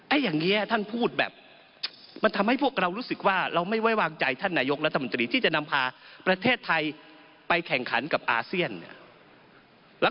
อย่างนี้ท่านพูดแบบมันทำให้พวกเรารู้สึกว่าเราไม่ไว้วางใจท่านนายกรัฐมนตรีที่จะนำพาประเทศไทยไปแข่งขันกับอาเซียนเนี่ย